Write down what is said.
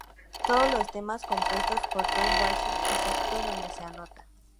Todos los temas compuestos por Tom Waits, excepto donde se anota.